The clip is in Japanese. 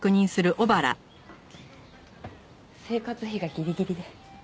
生活費がギリギリで。